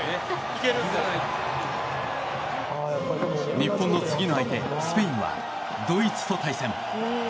日本の次の相手、スペインはドイツと対戦。